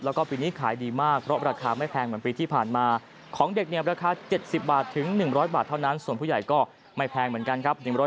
แล้วก็ปีนี้ขายดีมากเพราะราคาไม่แพงเหมือนปีที่ผ่านมาของเด็กเนี่ยราคา๗๐บาทถึง๑๐๐บาทเท่านั้นส่วนผู้ใหญ่ก็ไม่แพงเหมือนกันครับ